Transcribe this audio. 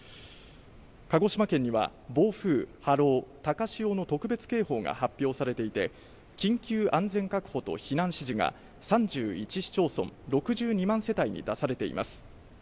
鹿児島県には暴風・波浪・高潮の特別警報が発表されていて緊急安全確保と避難指示が３１市町村６２万世帯に出されています。